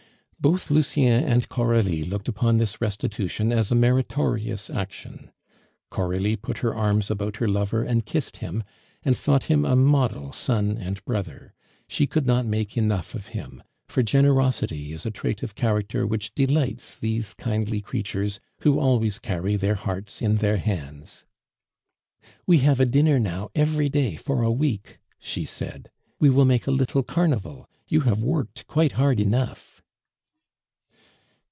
Both Lucien and Coralie looked upon this restitution as a meritorious action. Coralie put her arms about her lover and kissed him, and thought him a model son and brother; she could not make enough of him, for generosity is a trait of character which delights these kindly creatures, who always carry their hearts in their hands. "We have a dinner now every day for a week," she said; "we will make a little carnival; you have worked quite hard enough."